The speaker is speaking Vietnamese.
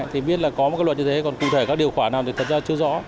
thì biết là có một cái luật như thế còn cụ thể các điều quả nào thì thật ra chưa rõ